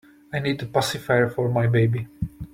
I need a pacifier for my baby.